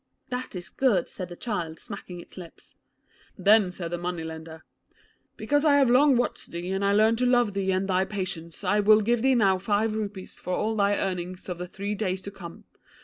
'That is good,' said the child, smacking its lips. 'Then said the money lender, "Because I have long watched thee, and learned to love thee and thy patience, I will give thee now five rupees for all thy earnings of the three days to come.